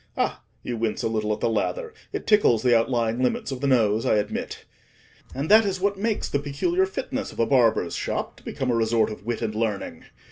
(Ah! you wince a little at the lather: it tickles the outlying limits of the nose, I admit.) And that is what makes the peculiar fitness of a barber's shop to become a resort of wit and learning.